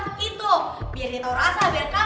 kalau enggak dia tau rasa dia tau rasa